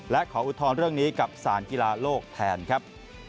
และขออุทธรณ์เรื่องนี้กับสารกีฬาโลกแทนครับ